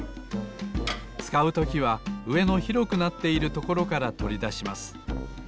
つかうときはうえの広くなっているところからとりだします。